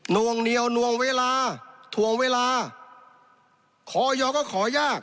วงเหนียวนวงเวลาถ่วงเวลาขอยอก็ขอยาก